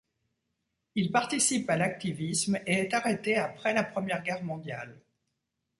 Il participe à l'activisme et est arrêté après la Première Guerre mondiale.